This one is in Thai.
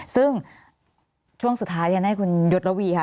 ซึ่งช่วงสุดท้ายอยากให้คุณหยดลวีค่ะ